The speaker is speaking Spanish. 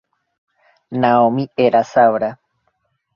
Naomi era sabra.